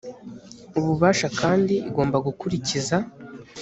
ububasha kandi igomba gukurikiza